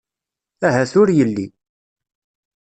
Ahat ur yelli.